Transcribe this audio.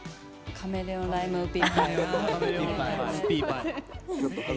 カメレオン・ライム・ウーピーパイ。